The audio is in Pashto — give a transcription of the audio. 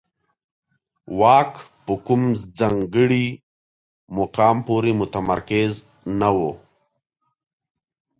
واک په کوم ځانګړي مقام پورې متمرکز نه و